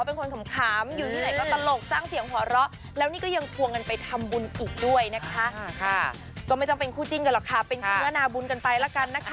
เป็นคุณหน้าบุญกันไปแล้วกันนะคะ